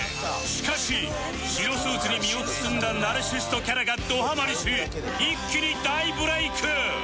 しかし白スーツに身を包んだナルシストキャラがどハマりし一気に大ブレイク！